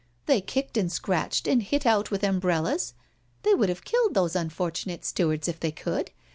They kicked and scratched and hit out with umbrellas. They would have killed those unfortunate stewards, if they could.